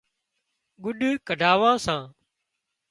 ڳُڏ ڪڍاوان سان